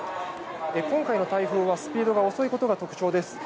今回の台風はスピードが遅いことが特徴です。